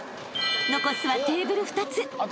［残すはテーブル２つ］